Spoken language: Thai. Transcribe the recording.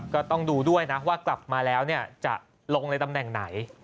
ก็ต้องดูด้วยนะว่ากลับมาแล้วจะลงในตำแหน่งไหน